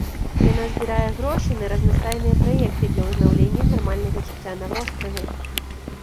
Яна збірае грошы на разнастайныя праекты для ўзнаўлення нармальнага жыцця на востраве.